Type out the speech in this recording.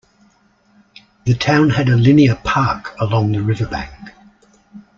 The town had a linear park along the riverbank.